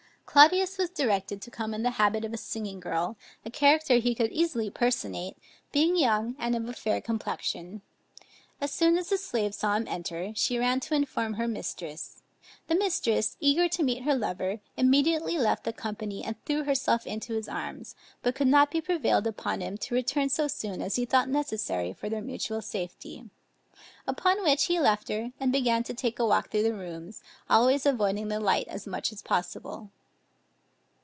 Claudius was directed to come in the habit of a singing girl, a character he could easily personate, being young and of a fair complexion. As soon as the slave saw him enter, she ran to inform her mistress. The mistress eager to meet her lover, immediately left the company and threw herself into his arms, but could not be prevailed upon by him to return so soon as he thought necessary for their mutual safety; upon which he left her, and began to take a walk through the rooms, always avoiding the light as much as possible.